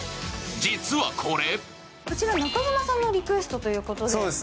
実はこれこちら中島さんのリクエストということで。